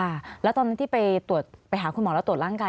แล้วตอนนั้นที่ไปตรวจไปหาคุณหมอแล้วตรวจร่างกาย